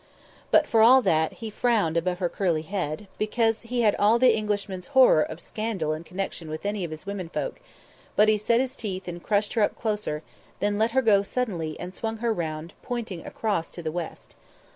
But, for all that, he frowned above her curly head, because he had all the Englishman's horror of scandal in connection with any of his women folk; but he set his teeth and crushed her up closer, then let her go suddenly and swung her round, pointing across to the west.